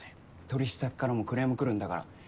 取引先からもクレーム来るんだから。